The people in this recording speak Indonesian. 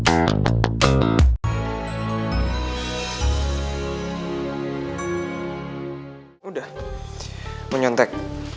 udah mau nyontek